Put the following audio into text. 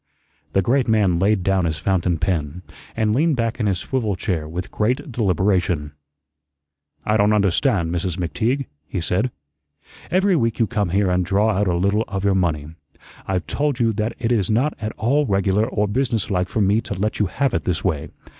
The great man laid down his fountain pen and leaned back in his swivel chair with great deliberation. "I don't understand, Mrs. McTeague," he said. "Every week you come here and draw out a little of your money. I've told you that it is not at all regular or business like for me to let you have it this way.